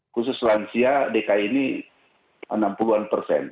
khusus lansia dki ini enam puluh an persen